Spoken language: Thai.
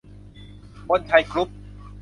วนชัย กรุ๊ป